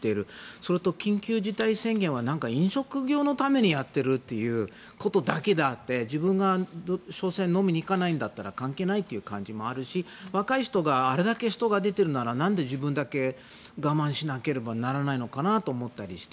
それと緊急事態宣言は飲食業のためにやっているというだけであって自分が飲みに行かないんだったら関係ないという感じもあるし若い人があれだけ人が出てるならなんで自分だけが我慢しなければならないのかなと思ったりして。